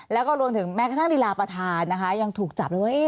แล้วก็รวมถึงแม้กระทั่งลีลาประธานนะคะยังถูกจับเลยว่า